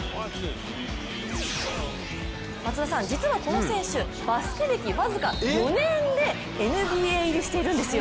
実はこの選手、バスケ歴僅か４年でＮＢＡ入りしているんですよ。